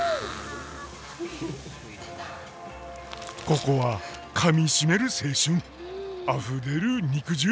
ここはかみしめる青春あふれる肉汁！